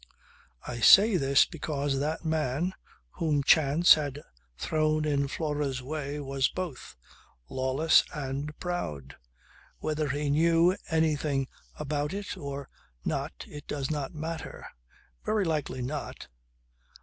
"I say this because that man whom chance had thrown in Flora's way was both: lawless and proud. Whether he knew anything about it or not it does not matter. Very likely not.